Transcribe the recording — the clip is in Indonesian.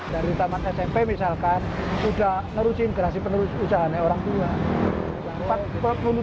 dari taman smp misalkan sudah menerusin gerasi penerus ucahannya orang tua